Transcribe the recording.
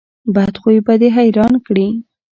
بد خوی به دې حیران کړي.